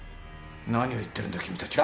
何を言ってるんだ君たちは。